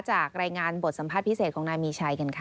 จากรายงานบทสัมภาษณ์พิเศษของนายมีชัยกันค่ะ